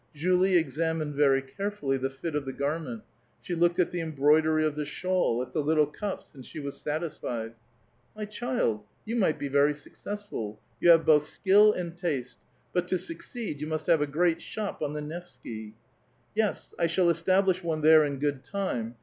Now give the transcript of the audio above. Julie examined very carefully the fit of the garment; she looked at the embroidery of the shawl, at the little cuds, and slie was satisfied. '^ My child, you might be very successful ; you have both skill and taste, liut to succeed you must have a great shop on the Nevskv." *' Yes, I shall establish one there in good time.